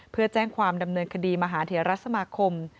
เพื่อแจ้งความดำเนินคดีมหาเทรสมาคม